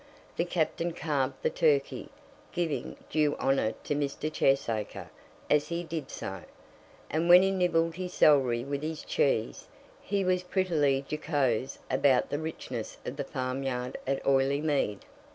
The captain carved the turkey, giving due honour to Mr. Cheesacre as he did so; and when he nibbled his celery with his cheese, he was prettily jocose about the richness of the farmyard at Oileymead.